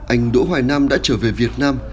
anh đỗ hoài nam đã trở về việt nam